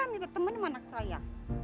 minta temen sama anak saya